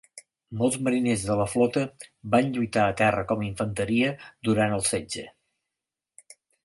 Molts mariners de la flota van lluitar a terra com infanteria durant el setge.